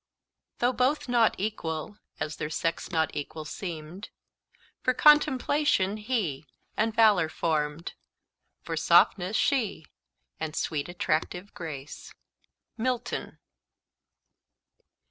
"Though both Not equal, as their sex not equal seemed For contemplation he, and valour formed; For softness she, and sweet attractive grace." MILTON.